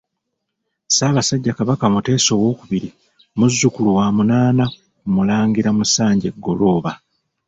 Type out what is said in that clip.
Ssaabasajja Kabaka Mutesa II, muzzukulu wa munaana ku Mulangira Musanje Ggolooba.